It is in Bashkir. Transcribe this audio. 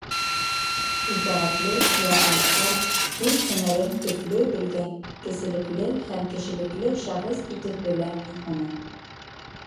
Итәғәтле, ярҙамсыл, үҙ һөнәрен төплө белгән, кеселекле һәм кешелекле шәхес итеп беләм мин уны.